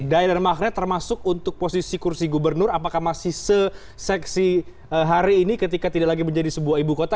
daya dan magnet termasuk untuk posisi kursi gubernur apakah masih seksi hari ini ketika tidak lagi menjadi sebuah ibu kota